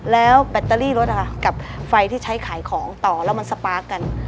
แล้วแบตเตอรี่รถกับไฟที่ใช้ขายของต่อแล้วมันสปาร์คกัน